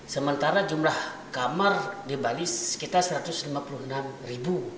sementara jumlah kamar di bali sekitar satu ratus lima puluh enam ribu